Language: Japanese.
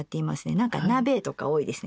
なんか鍋とか多いですね